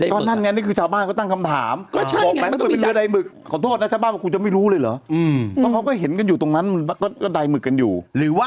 พอส่งต่อกันเค้าก็ต้องมีการรวมชุดอยู่แล้ว